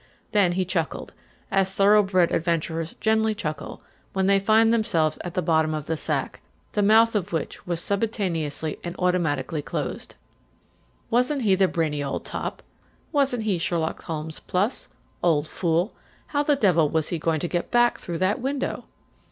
Then be chuckled, as thoroughbred adventurers generally chuckle when they find themselves at the bottom of the sack, the mouth of which has simultaneously and automatically closed. Wasn't he the brainy old top? Wasn't he Sherlock Holmes plus? Old fool, how the devil was he going to get back through that window?